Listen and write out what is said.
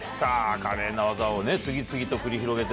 華麗な技を次々と繰り広げて。